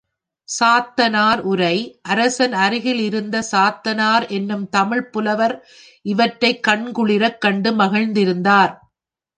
சாத்தனார் உரை அரசன் அருகில் இருந்த சாத்தனார் என்னும் தமிழ்ப் புலவர் இவற்றைக் கண்குளிரக் கண்டு மகிழ்ந்திருந்தார்.